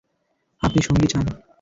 আপনি সঙ্গী চান।